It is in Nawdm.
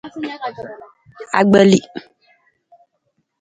Panci.